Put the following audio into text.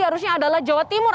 harusnya adalah jawa timur